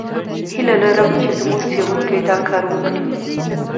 هیله لرم چې زموږ څېړونکي دا کار وکړي.